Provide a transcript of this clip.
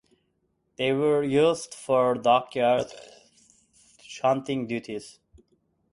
They were used for dockyard shunting duties.